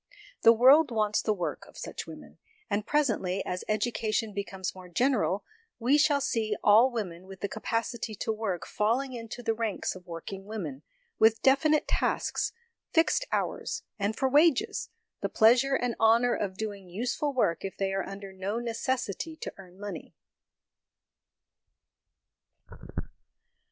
The world wants the work of such women ; and presently, as education becomes more general, we shall see all women with the capacity to work falling into the ranks of work ing women, with definite tasks, fixed hours, and for wages, the pleasure and honour of doing useful work if they are under no necessity to earn money.